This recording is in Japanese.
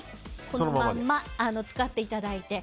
そのまま使っていただいて。